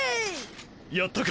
やったか！？